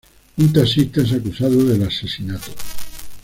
Un taxista es acusado del asesinato.